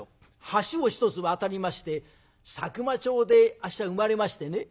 橋を一つ渡りまして佐久間町であっしは生まれましてね